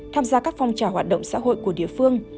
tham gia các phong trào hoạt động xã hội của địa phương